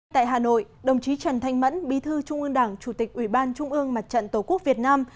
tại hà nội đồng chí trần thanh mẫn bí thư trung ương đảng chủ tịch ủy ban trung ương mặt trận tổ quốc việt nam